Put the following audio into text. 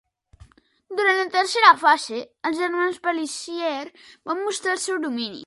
Durant la tercera fase, els germans Pélissier van mostrar el seu domini.